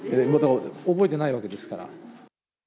覚えてないわけですから。